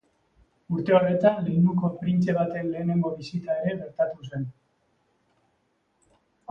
Urte horretan, leinuko printze baten lehenengo bisita ere gertatu zen.